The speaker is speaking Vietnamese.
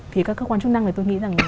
thì các cơ quan chức năng này tôi nghĩ rằng